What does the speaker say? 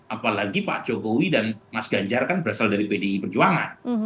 apalagi pak jokowi dan mas ganjar kan berasal dari pdi perjuangan